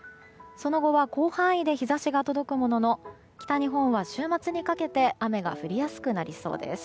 その後は広範囲で日差しが届くものの北日本は週末にかけて雨が降りやすくなりそうです。